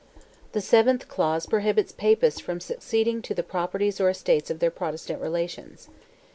The seventh clause prohibits Papists from succeeding to the properties or estates of their Protestant relations.